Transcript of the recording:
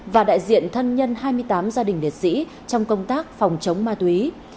và đại diện thân nhân hai mươi tám gia đình liệt sĩ trong công tác phòng chống ma túy